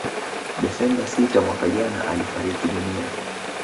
Desemba sita mwaka jana alifariki dunia